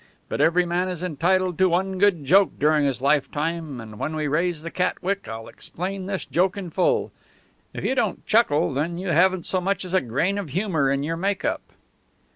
But every man is entitled to one good joke during his lifetime, and when we raise the Catwick I'll explain this joke in full. If you don't chuckle, then you haven't so much as a grain of humour in your make up."